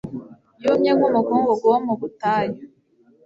Yumye nkumukungugu wo mu butayu